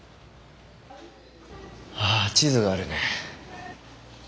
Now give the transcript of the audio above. あ地図があるね。